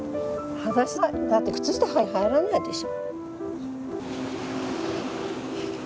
はだしでだって靴下はいて入らないでしょ。